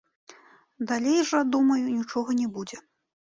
Далей жа, думаю, нічога не будзе.